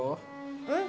うん。